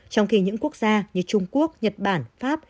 trong khi những quốc gia như trung quốc nhật bản pháp